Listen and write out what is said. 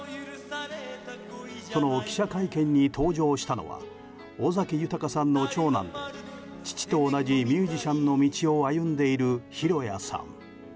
その記者会見に登場したのは尾崎豊さんの長男で父と同じミュージシャンの道を歩んでいる裕哉さん。